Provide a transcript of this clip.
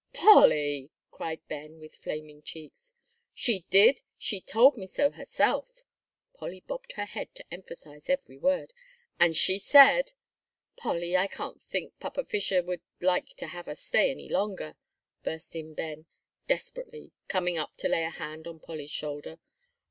"Polly!" cried Ben, with flaming cheeks. "She did; she told me so herself," Polly bobbed her head to emphasize every word, "and she said " "Polly, I can't think Papa Fisher would like to have us stay any longer," burst in Ben, desperately, coming up to lay a hand on Polly's shoulder.